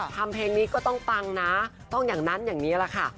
เพลงนี้ก็ต้องปังนะต้องอย่างนั้นอย่างนี้แหละค่ะ